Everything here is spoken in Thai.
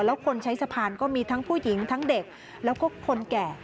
แล้วคนใช้สะพานก็มีทั้งผู้หญิงทั้งเด็กแล้วก็คนแก่